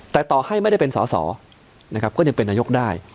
แต่ต่อให้ไม่ได้เป็นสอสอนะครับก็ยังเป็นนายกได้